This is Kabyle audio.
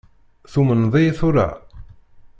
Tumneḍ-iyi tura?